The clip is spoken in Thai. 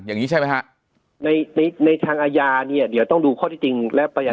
อย่างนี้ใช่ไหมฮะในในทางอาญาเนี่ยเดี๋ยวต้องดูข้อที่จริงและพยาน